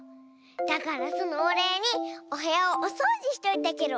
だからそのおれいにおへやをおそうじしておいたケロ。